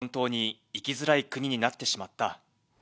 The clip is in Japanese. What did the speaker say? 本当に生きづらい国になってしまった。